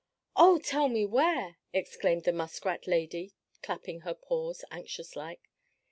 "Oh, tell me where!" exclaimed the muskrat lady clapping her paws, anxious like.